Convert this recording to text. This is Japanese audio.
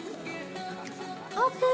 オープン！